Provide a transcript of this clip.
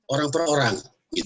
orang per orang